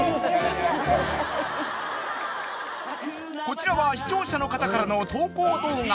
［こちらは視聴者の方からの投稿動画］